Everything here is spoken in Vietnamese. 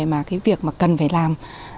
mà cần phải làm